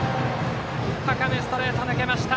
高めストレートが抜けました。